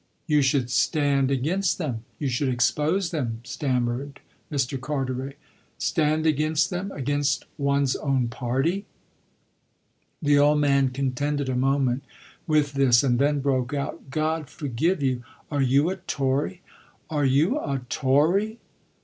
"You should stand against them you should expose them!" stammered Mr. Carteret. "Stand against them, against one's own party!" The old man contended a moment with this and then broke out: "God forgive you, are you a Tory, are you a Tory?"